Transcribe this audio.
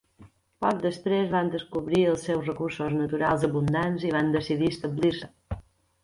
Poc després, van descobrir els seus recursos naturals abundants i van decidir establir-se.